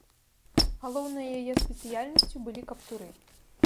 Галоўнай яе спецыяльнасцю былі каптуры.